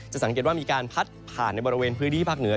สังเกตว่ามีการพัดผ่านในบริเวณพื้นที่ภาคเหนือ